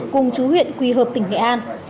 cùng chú huyện quỳ hợp tỉnh nghệ an